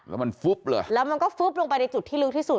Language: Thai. แล้วมันฟุ๊บเลยแล้วมันก็ฟุ๊บลงไปในจุดที่ลึกที่สุด